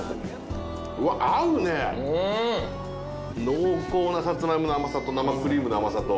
濃厚なサツマイモの甘さと生クリームの甘さと。